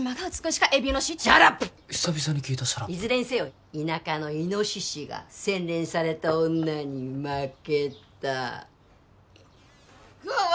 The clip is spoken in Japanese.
久々に聞いたシャラップいずれにせよ田舎のイノシシが洗練された女に負けたうわ